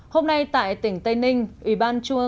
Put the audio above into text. hôm nay tại tỉnh tây ninh